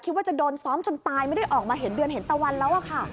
ว่าจะโดนซ้อมจนตายไม่ได้ออกมาเห็นเดือนเห็นตะวันแล้วอะค่ะ